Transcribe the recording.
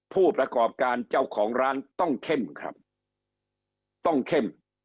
ผู้ประกอบการเจ้าของร้านต้องเข้มครับต้องเข้ม